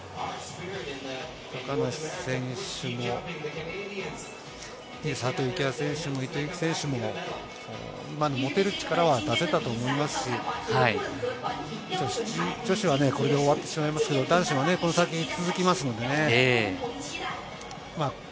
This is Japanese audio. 高梨選手も、佐藤幸椰選手も伊藤選手も今の持てる力は出せたと思いますし、女子はこれで終わってしまいますけど、男子はこの先、続きますのでね。